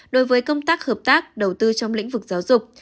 đối với công tác hợp tác đầu tư trong lĩnh vực giáo dục